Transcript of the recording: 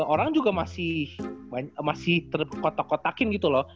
orang juga masih terkotak kotakin gitu loh